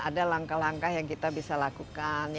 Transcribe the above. ada langkah langkah yang kita bisa lakukan